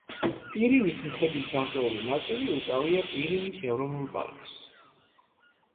პირინის მთების გარკვეული ნაწილი უკავია პირინის ეროვნულ პარკს.